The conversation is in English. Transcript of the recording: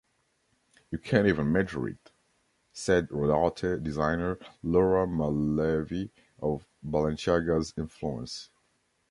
"You can't even measure it", said Rodarte designer Laura Mulleavy of Balenciaga's influence.